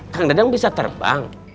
kang dadang bisa terbang